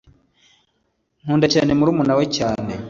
Nkunda cyane murumuna we cyane